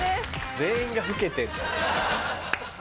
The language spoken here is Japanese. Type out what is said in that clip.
全員が老けてんだよな。